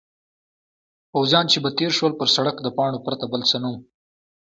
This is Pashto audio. پوځیان چې به تېر شول پر سړک د پاڼو پرته بل څه نه وو.